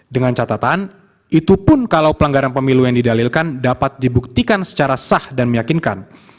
dengan catatan itu pun kalau pelanggaran pemilu yang didalilkan dapat dibuktikan secara sah dan meyakinkan